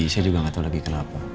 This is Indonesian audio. saya juga gak tau lagi kenapa